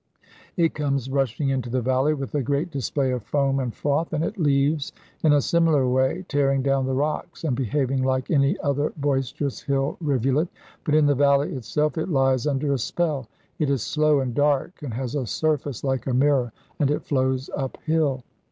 It comes rushing into the valley with a great display of foam and froth, and it leaves in a similar way, tearing down the rocks, and behaving like any other boisterous hill rivulet; but in the valley itself it lies under a spell. It is slow and dark, and has a surface like a mirror, and it flows uphill.